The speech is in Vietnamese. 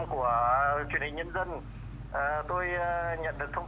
của truyền hình nhân dân